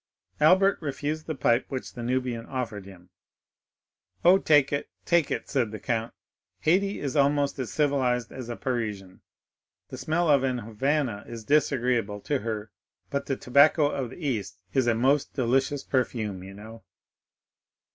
Albert refused the pipe which the Nubian offered him. "Oh, take it—take it," said the count; "Haydée is almost as civilized as a Parisian; the smell of a Havana is disagreeable to her, but the tobacco of the East is a most delicious perfume, you know."